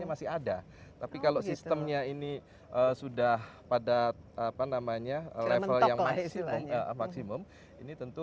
masih ada tapi kalau sistemnya ini sudah pada apa namanya level yang maksimum maksimum ini tentu